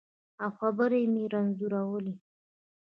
او خبرې مې رنځورې